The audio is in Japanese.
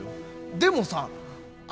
でもさあ